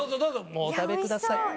もうお食べください。